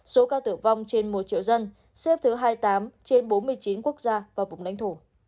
số ca tử vong trên một triệu dân xếp thứ hai mươi tám trên bốn mươi chín quốc gia và vùng lãnh thổ